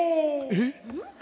えっ。